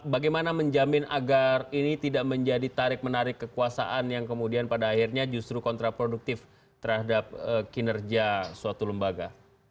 bagaimana menjamin agar ini tidak menjadi tarik menarik kekuasaan yang kemudian pada akhirnya justru kontraproduktif terhadap kinerja suatu lembaga